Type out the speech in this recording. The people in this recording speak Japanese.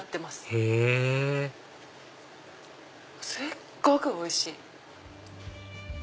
へぇすっごくおいしい！